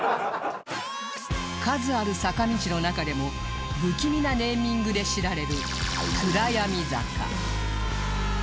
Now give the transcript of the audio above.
数ある坂道の中でも不気味なネーミングで知られる